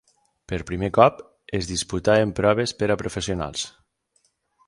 Per primer cop es disputaven proves per a professionals.